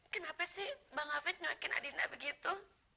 kenapa sih bang afid makin adinda begitu